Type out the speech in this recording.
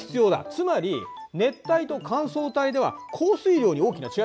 つまり熱帯と乾燥帯では降水量に大きな違いがあるんだ。